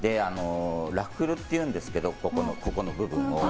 ラッフルっていうんですけどこの部分。